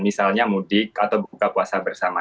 misalnya mudik atau buka puasa bersama